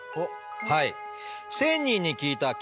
はい。